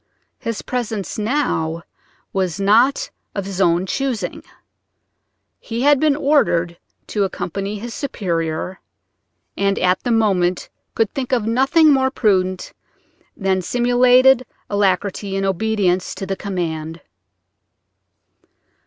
His presence now was not of his own choosing: he had been ordered to accompany his superior, and at the moment could think of nothing more prudent than simulated alacrity in obedience to the command.